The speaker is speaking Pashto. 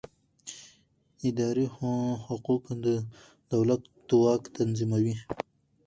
اداري حقوق د دولت واک تنظیموي.